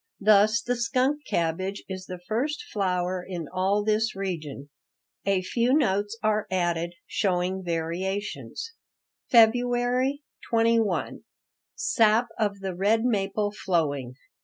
Thus, the skunk cabbage is the first flower in all this region. A few notes are added, showing variations. February 21 Sap of the red maple flowing.